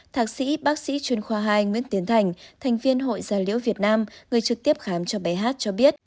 thạc sĩ bác sĩ chuyên khoa hai nguyễn tiến thành thành viên hội gia liễu việt nam người trực tiếp khám cho bé hát cho biết